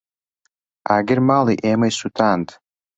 ئاگر ماڵی ئێمەی سوتاند.